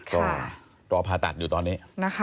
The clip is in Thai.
ก็รอผ่าตัดอยู่ตอนนี้นะคะ